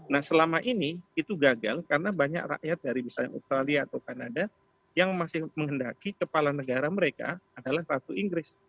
nah selama ini itu gagal karena banyak rakyat dari misalnya australia atau kanada yang masih menghendaki kepala negara mereka adalah ratu inggris